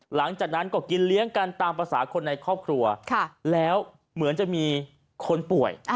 หลังจากนั้นก็กินเลี้ยงกันตามภาษาคนในครอบครัวแล้วเหมือนจะมีคนป่วย